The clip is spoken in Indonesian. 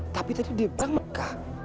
tapi tadi dia bilang mereka